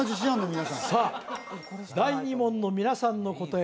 皆さんさあ第２問の皆さんの答え